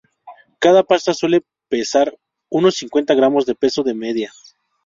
Cada pasta suele pesar unos cincuenta gramos de peso de media.